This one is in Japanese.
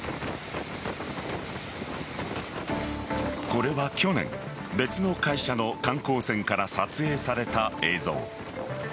これは去年、別の会社の観光船から撮影された映像。